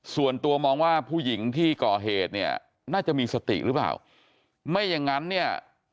ส่วนตัวมองว่าผู้หญิงที่ก่อเหตุเนี่ยน่าจะมีสติหรือเปล่าไม่อย่างนั้นเนี่ย